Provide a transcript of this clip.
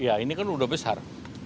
ya ini kan udah besar